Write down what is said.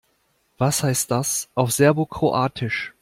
Was heißt das auf Serbokroatisch?